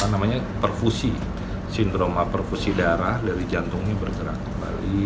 namanya perfusi sindroma perfusi darah dari jantungnya bergerak kembali